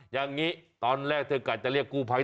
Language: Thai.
อย่างนี้ตอนแรกเธอกะจะเรียกกู้ภัย